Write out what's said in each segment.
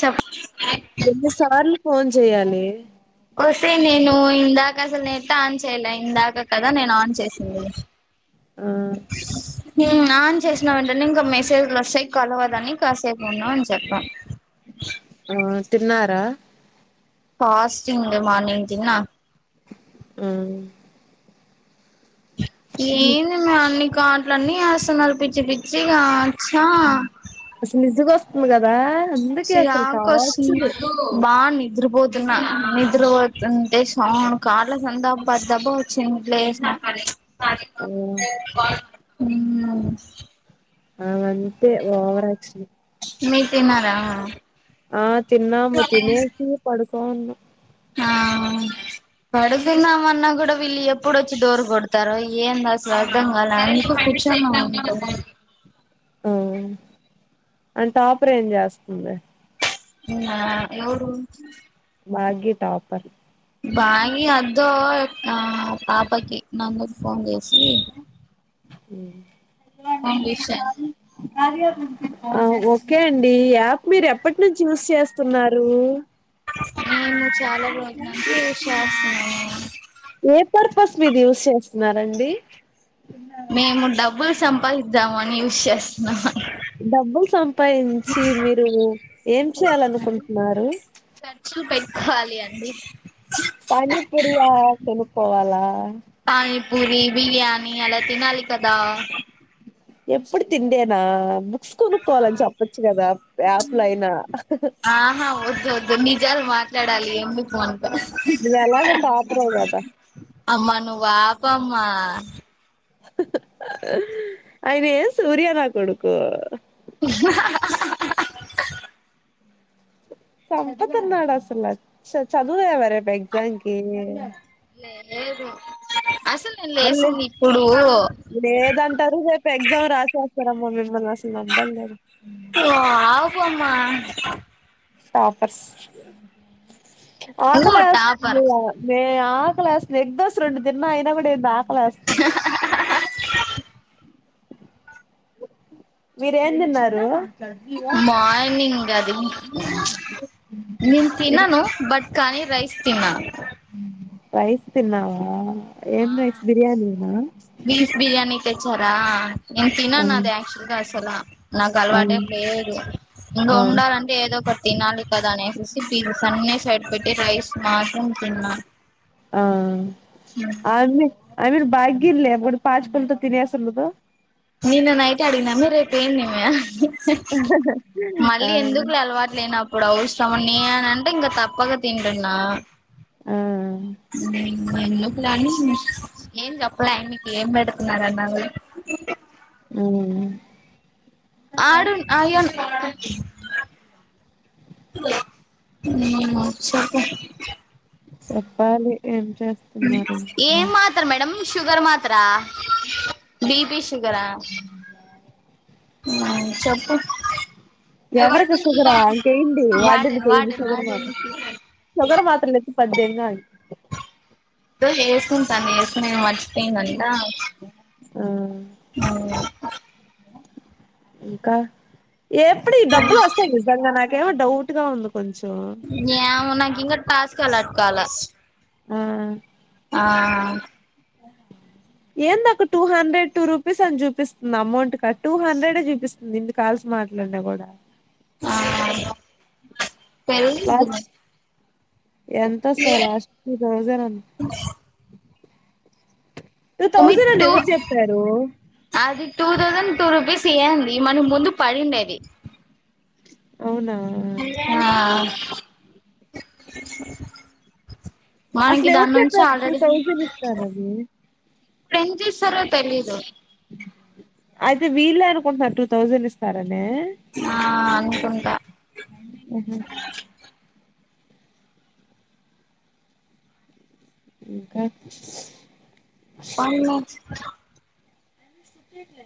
చెప్ ఎన్ని సార్లు ఫోన్ చేయాలి ఒసే నేను ఇందాకసలు నెట్ ఆన్ చేయాలె ఇందాక కదా నేను ఆన్ చేసింది ఆ ఆ అన్ చేసినా వెంటే ఇంకా మెసేజ్లు వస్తాయి కాల్ అవ్వదని కాసేపు ఉన్నావు అని చెప్పాం హ్మ్ తిన్నారా ఫాస్టింగ్ ఉండే మార్నింగ్ తిన్న హ్మ్ ఏంది మే అన్ని కాట్ల అన్నీ వస్తున్నారు పిచ్చి పిచ్చిగా ఛా అ మీజక్ వస్త మ చిరాకుస్తుంది బావుంది నిద్రపోతున్నా నిద్రపోతుంటే సాండ్ కాళ్ళ సంతబ్బా దబ్బా వచ్చిందిట్లే ఆ ఉ ఆ అంతే ఓవరాక్షన్ మీరు తిన్నారా ఆ తిన్నాము తినేసి పడుకోనీ ఉన్నాము ఆ పడుతుందామన్నా కూడా వీళ్ళు ఎప్పుడొచ్చి డోర్ కొడతారో ఏంది అసల్ అర్థం కాలే అనుకు ష [unintelligible] హ్మ్ అంట టాపర్ ఏం చేస్తుంది ఉ ఆ ఎవరు భాగీ టాపర్ భాగీ అద్దో ఆ పాపకి నందుకి ఫోన్ చేసి ఉ పౌండిషన్ ఆ ఓకే అండి ఈ యాప్ మీరు ఎప్పట్ నుంచి యూస్ చేస్తున్నారు నేను చాలా రోజుల నుంచి యూస్ చేస్తున్నాను ఏ పర్పస్ మీది యూస్ చేస్తున్నారండి మేము డబ్బులు సంపాదిద్దాము అని యూస్ చేస్తున్నా డబ్బు సంపాదించి మీరు ఏం చేయాలనుకుంటున్నారు చూపెట్కోవాలి అన్ పానీపూరి ఆ కొనుకోవాలా పానీపూరి బిర్యాణి అలా తినాలి కదా ఎప్పుడు తిండేనా బుక్స్ కొనుక్కోవాలని చెపోచ్చు కదా ప్యాప్ల అయినా ఆహా వద్దు వద్దు నిజాలు మాట్లాడాలి ఎందుకు మన నువ్వు ఎలాగో టాపరవ్ కదా అమ్మా నువ్వు ఆపమ్మా అయిన ఏ సూర్యనా కొడుకు [unintelligible] సంపుతన్నాడు అసల చ చదువుదవరేప్ ఎగ్జామ్కి లేదు అసలు నేను మళ్ళీ లేసింది ఇప్పుడు లేదంటారు రేపు ఎగ్జామ్ రాసేస్తారమ్మ మిమ్మల్ని అసలు నమ్మను నేను నువ్వు ఆపమ్మ టాపర్స్ నువ్వు టాపర్ ఆకలేస్తంది మే ఆకలేస్తుండు ఎగ్ దోశ రెండు తిన్నా అయినా కూడా ఏంది ఆకలేస్తుంది మీరేం తిన్నరు మార్నింగ్ అది నిన్ ఏం తిన్నాను బట్ కాని రైస్ తిన్న రైస్ తిన్నవా ఎమ్ రైస్ బిర్యానీనా ఆ నేను ఆ తినను అది ఆయాక్చువల్ గా అసలు నాకు ఆ అలవాటే లేదు ఇంగ ఆ ఉండాలంటే ఏదో ఒక తనాళికదా అనేసేసి సన్నే సైడ్ పెట్టి రైస్ మాసం తిన్న ఆ బాగిలే ఒడు పాచి పలతో తేనెసుండదు నిన్న నైట్ ఆడిగిన మీ రేప్ ఏంది మే అని హ్మ్ ఆ మళ్ళీ ఎందుకులె అలవాట్ లేన ఇప్పుడు అఔసరమున్య అంటే ఇంక తప్పగా తింటున్నా మ్మ్ ఎన్నో ప్లానింగ్స్ ఏం చెప్పలే మీకు ఏం పెడుతున్నారుర అన్నారు మ్మ్ ఆడున్ అయ్యన్ హ్మ్ చప్పాలి ఎమ్ ఏం మాత్ర మేడం షుగర్ మాత్ర బి పిస్ షుగరా హ్మ్ చెప్పు ఎవరికి షుగరా ఇంకెయ్యడి వాడను వాడదికయ్యంది వాడను షుగర్ వాడను మాత్రం షుగర్ మాత్ర [inaudible] ఏసుకు తా ఏసుకు మర్చపోందంట మ్మ్ అవును ఇంకా ఏప్పుడు ఈ డబ్బులు వస్తాయి నిజంగా నాకేమో డౌట్ గా ఉంది కొంచెం యమో నాకు ఇంకా టాస్క్ అలాట్ కాలా హ్మ్ ఆ ఏందక టూ హండ్రెడ్ టూ రూపీస్ అని చూపిస్తుంది అమౌంట్ క టూ హండ్రెడే చూపిస్తుంది ఇన్ని కాల్స్ మాట్లాడినా కూడా ఆ పెరిగిది లాస్ట్ లే ఎంత సార్ లాస్ట్ టూతౌసెంద్ అన్న ఓమిటూ ఎవరు చెప్పారు అది టూ తౌసండ్ టూ రూపీస్ ఏంది మన ముందు పడిండేది అవునా ఆ మనకి అసలు దాని ఎవరు నుంచి చెప్పారు టూ ఆల్రెడీ థౌజండ్ ఇస్తారని ప్రెంజ సర్ తెలిదు అయితే వీళ్లే అనుకుంటున్నా టూ థౌసండ్ ఇస్తారని నే ఆ అనుకుంటా ఆహా ఇంకా పల్లె సతట్లయ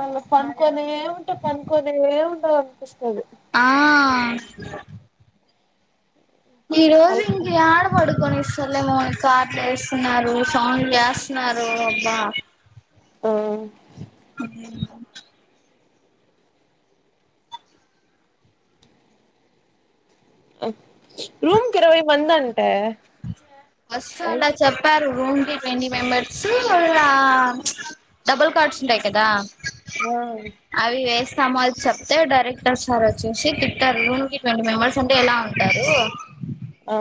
అ పంకోనే ఉంట పంకోనే ఉంటా అనీపిస్ ఆ ఈ రోజు తలుపులు ఎనికి ఇ ఎడ పడుకునిస్తరు లే మోని కార్లు ఏస్తున్నారు సౌండ్లు చేస్తున్నారు అబ్బా హ్మ్ హ్మ్ రూమ్ కిరవై మందంటె ఫస్ట్ అల చేప్పారు రూమ్ ట్వంటీ ట్వంటీ మెంబర్స్ ఆ డబుల్ కార్డ్స్ ఉంటాయి కదా ఆ తమాజి చెప్తే డైరెక్టర్ సారోచ్చేసి తిట్టరు ట్వంటీ మెంబర్స్ అంటే ఎలా ఉంటారు ఆ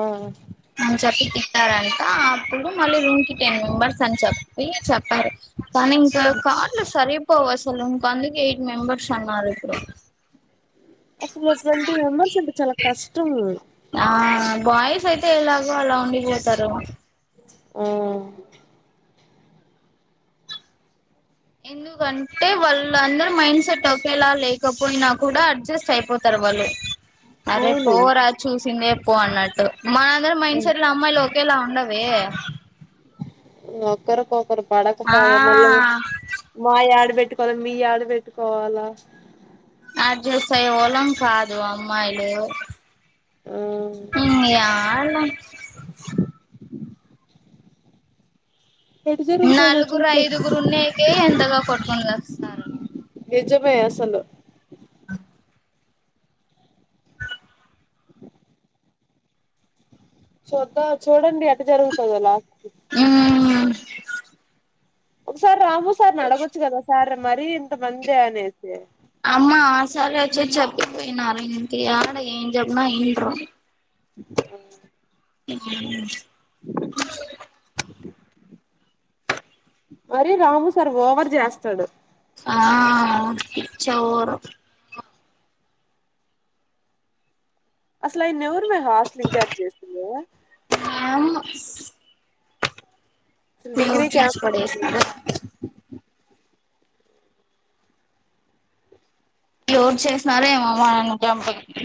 అని చెప్పి తిట్ ట్టారంటా అప్పుడు మళ్ళీ రూమ్ కి టెన్ మెంబర్స్ అని చెప్పి చెప్పారు కనింక కార్లు సరేప్ పోవసలు అందుకే ఎయిట్ మెంబర్స్ అన్నారు ఇప్పుడు అసలు ట్వంటీ మెంబర్స్ అంటె చాలా కష్టం ఆ బాయ్స్ అయితే ఎలాగో అలా ఉండిపోతారు ఉమ్ ఎందుకంటే వాళ్ళన్దరు మైండ్ సెట్ ఒకేలా లేకపోయినా కూడ అడ్జస్ట్ అయిపోతరు. అరే అవును పోరా చూసిందే పో అన్నట్టు మనందరం మైండ్ సెట్ల అమ్మాయిలు ఒకేలా ఉండవే ఒకరికొకరు ఆ పడకపాయే, మళ్ళ మాయడబెట్ పెట్టుకోవాల, మీ యాడ పెట్టుకోవాలా అడ్జస్ అయ్యే వోళ్ళం కాదు అమ్మాయిలు ఆ ఉమ్ యాడ ఎటు జరుగుతదో నాలుగురు, చూద్దాం ఐదుగురు ఉన్నేకే యంతగా కొట్టుకొన్ జస్తున్నారు నిజమే అసలు చూద్దా చూడండి ఎట్ట జరుగుతదో లాస్ట్ కు ఉమ్ ఒకసారి రాము సార్ నడగొచ్చు గదా సార్ మరీ ఇంత మందా అనేసి అమ్మ ఆసారోచ్చే చెప్పిపోయినారు ఇంక యాడ ఏం జెప్పిన ఏమింటరు వాల్ ఆ హా మరీ రాము సార్ ఓవర్ జాస్తడు ఆ పిచ్చ ఓవరు అసలు అయన్నేవరు మే హాస్టలిన్చార్జ్ జేసింది? యామ్మో డిగ్రీ క్లోజ్ జాసి క్యాంపస్ పడేసినమ్ క్లోజ్ చేసినారో ఏమో మనని చంపనీకి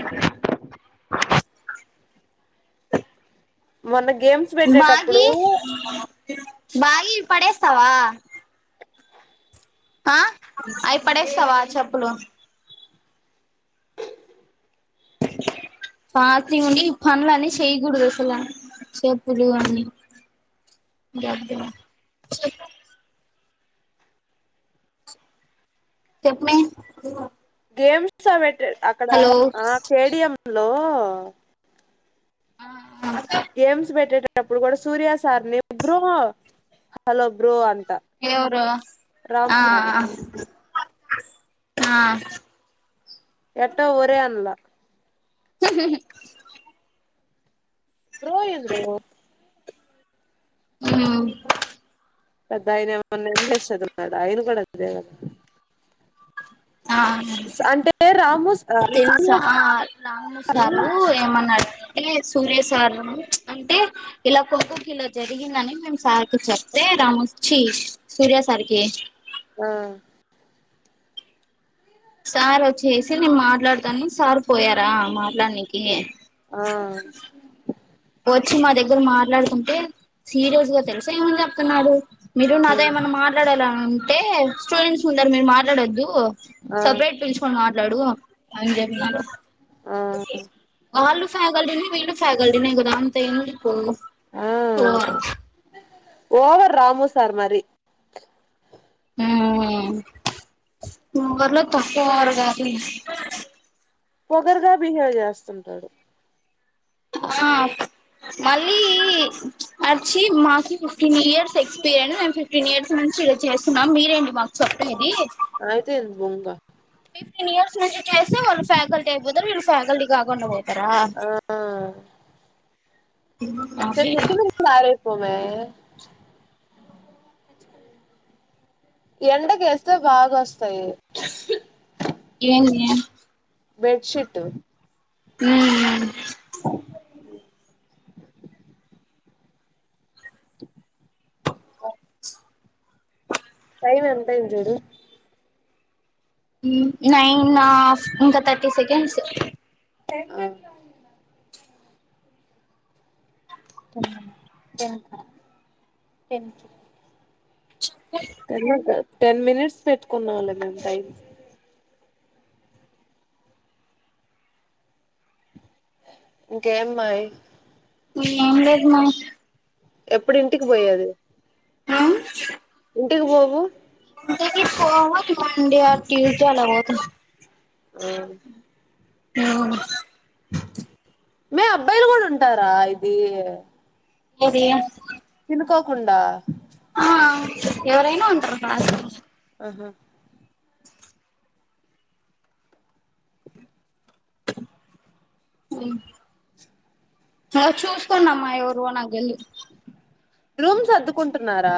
మొన్న గేమ్స్ పెట్టేటప్పుడు బ్యాగి పడేస్తవా? ఆ అయి పడేస్తవా చెప్పులు? పార్కింగ్వి పనులన్ని చేయకూడదసల చెప్పులు అన్ని గడ్డమ చెప్ మీ గేమ్స్ అవి బెట్టాడ్ అక్కడా ఆ స్టేడియం లో గేమ్స్ పెట్టేటటప్పుడు గూడ సూర్య సార్ని బ్రో హలో బ్రో అన్ ఎవ్రూ ఆ ఆ ఆ, ఆ ఎట్టా ఒరే అన్లా బ్రో ఏంది బ్రో ఉమ్ పెద్ద ఆయనేమో [unintelligible] అయను కూడా అంతే గదా ఆ తెలుసా రామణ సారూ ఏమన్నాడం అంటే సూర్య సారును అంటే ఇలా కొ కో కిలా జరిగిందని మేము సారికి చెప్తే రామొచ్చి సూర్య సారికి ఆ సార్ వచ్చేసి నేను మాట్లాడతాను సార్ పోయారా మాట్లానికి ఆ వచ్చి మా దగ్గర మాట్లాడుకుంటే సీరియస్ గా తెలుసా ఏమని చెప్తున్నారు మీరు నాతో ఆ ఏమన్నా మాట్లాడాల అంటే స్టూడెంట్స్ ఉన్నారు మీరు మాట్లాడొద్దు ఆ సపరేట్ పిల్చుకొని మాట్లాడు అని చెప్పి ఆళ్లు ఫ్యాకల్టీ పి న్న [unintelligible] ఫకల్టీ ఎకుదా తె పో ఆ ఓవర్ రాము సార్ మరి ఉం ముఊరిలో తక్కువవారు కాదు [unintelligible] పొగరుగా బిహేవ్ చేస్తుంటాడు ఆ మళ్ళీ వచ్చి మాకి ఫిఫ్టీన్ ఇయర్స్ ఎక్స్పీరియన్స్ మేము ఫిఫ్టీన్ ఇయర్స్ నుంచి ఇలా చేస్తున్నాం మీ రెంటి మాకు చెప్పేది ఆయితే ఎంది బొంగా ఫిఫ్టీన్ ఇయర్స్ నుంచి చేస్తే వాళ్ళు ఫ్యాకల్టీ అయిపోతారు వీళ్ళు ఫ్యాకల్టీ కాకుండా పోతారా ఆ స అదే మద్దమంది రపోమే [unintelligible] ఎండకేస్తే బాగా వస్తాయి ఏంది బెడ్షీట్ ఉం కా టైమ్ ఎంత అయింది చూడు నైన్ హాఫ్ ఇంకా థర్టీ సెకండ్స్ ఆ [inaudible] [unintelligible] టెన్ మినిట్స్ పెట్టుకున్దాము లే మేము టైం ఇంకేమ్మాయి ఇంగ ఏం లేదు మా ఎప్పుడు ఇంటికి పోయది హ ఇంటికి పోవు మండే ట్యూస్డే అలా బ [unintelligible] ఆ ఆ మీ అబ్బాయిలు కూడా ఉంటారా ఇది ఇది అనుకోకుండా ఎవరైనా ఉంటారు ఆహా ఉం ఆ చూసుకున్నామ్మా ఎవరో నాకు తెల్దు రూమ్ సర్ధుకుంటున్నారా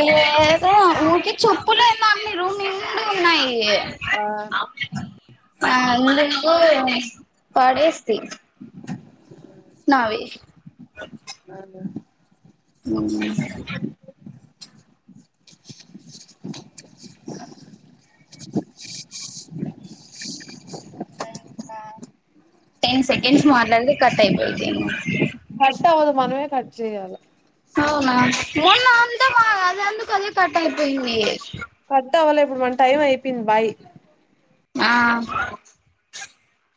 లేదో నుఊకి చప్పులు ఏమో అన్ని రూ నిలు ఉన్నాయి [unintelligible] ఆ ఆ అందుకు పాడేస్త [unintelligible] నావి ఆహా ఉ కా టెన్ సెకెండ్స్ మాట్లాడతే, కట్ అయిపోయిది. కట్ అవదు, మనమే కట్ చేయాలి. అవునా, మొన్నా అంతా అది ఎందుకు కట్టయిపోయింది. కట్ అవ్వాలె ఇప్పుడు మన టైం అయిపోయింది. బాయ్ ఆ